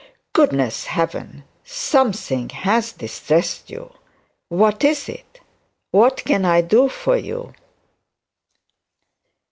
'Goodness heaven! Something has distressed you. What is it? What can I do for you?'